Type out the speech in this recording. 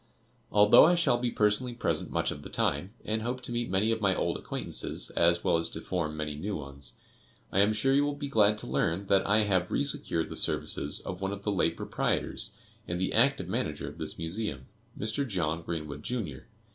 Although I shall be personally present much of the time, and hope to meet many of my old acquaintances, as well as to form many new ones, I am sure you will be glad to learn that I have re secured the services of one of the late proprietors, and the active manager of this Museum, Mr. John Greenwood, Jr.